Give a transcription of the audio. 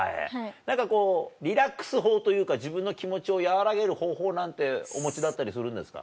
何かこうリラックス法というか自分の気持ちを和らげる方法なんてお持ちだったりするんですか？